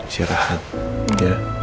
saya rahat ya